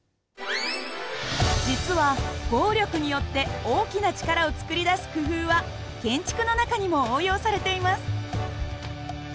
実は合力によって大きな力を作り出す工夫は建築の中にも応用されています。